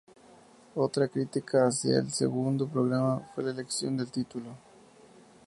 Otra crítica hacía el segundo programa fue la elección del título.